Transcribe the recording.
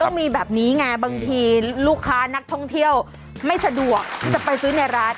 มีแบบนี้ไงบางทีลูกค้านักท่องเที่ยวไม่สะดวกที่จะไปซื้อในร้าน